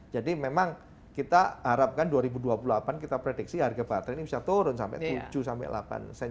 jadi memang kita harapkan dua ribu dua puluh delapan kita prediksi harga baterai ini bisa turun sampai tujuh sampai delapan sen